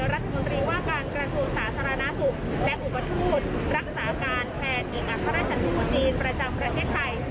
รัฐมนตรีว่าการกระทรวงสาธารณสุขและอุปทูตรักษาการแทนเอกอัครราชทูตจีนประจำประเทศไทย